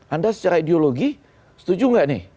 anda secara ideologi setuju nggak nih